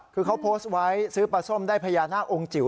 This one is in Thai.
คือเขาโพสต์ไว้ซื้อปลาส้มได้พญานาคองค์จิ๋ว